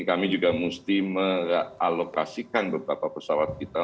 kami juga mesti mengalokasikan beberapa pesawat kita